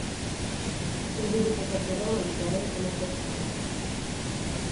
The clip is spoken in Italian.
Il videogiocatore ha una visuale in prima persona.